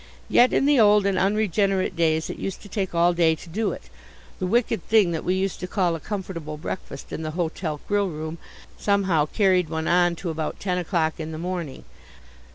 Yet in the old and unregenerate days it used to take all day to do it: the wicked thing that we used to call a comfortable breakfast in the hotel grill room somehow carried one on to about ten o'clock in the morning.